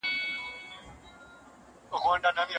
ليکوالانو د خپلو اثارو په چاپ کي ستونزې لرلې.